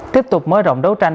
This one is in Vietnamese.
tiếp tục mới rộng đấu tranh